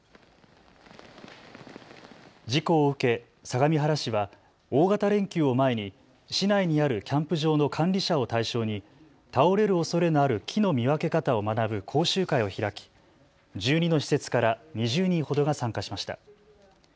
事故を受け相模原市は大型連休を前に市内にあるキャンプ場の管理者を対象に倒れるおそれのある木の見分け方を学ぶ講習会を開き１２の施設から２０人ほどが参加しました。